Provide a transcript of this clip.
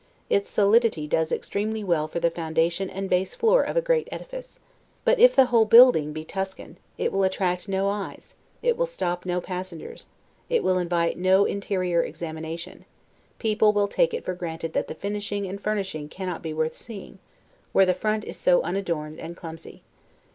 Its solidity does extremely well for the foundation and base floor of a great edifice; but if the whole building be Tuscan, it will attract no eyes, it will stop no passengers, it will invite no interior examination; people will take it for granted that the finishing and furnishing cannot be worth seeing, where the front is so unadorned and clumsy.